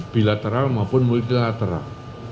bilateral maupun multilateral